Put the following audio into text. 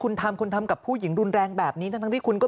คุณทำคุณทำกับผู้หญิงรุนแรงแบบนี้ทั้งที่คุณก็